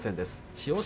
千代翔